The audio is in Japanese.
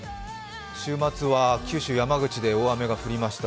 週末は九州・山口で大雨が降りました。